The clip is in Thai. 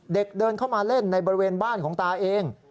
เดินเข้ามาเล่นในบริเวณบ้านของตาเอง